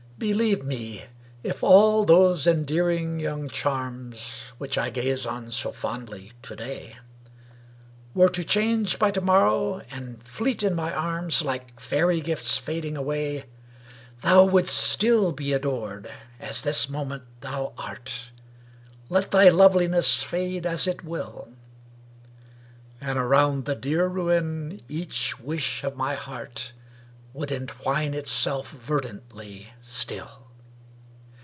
Believe me, if all those endearing young charms, Which I gaze on so fondly today, Were to change by to morrow, and fleet in my arms, Like fairy gifts fading away, Thou wouldst still be adored, as this moment thou art. Let thy loveliness fade as it will. And around the dear ruin each wish of my heart Would entwine itself verdantly still.